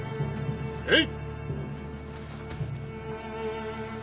へい！